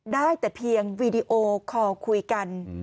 ได้แต่เพียงวีดีโอคอลคุยกัน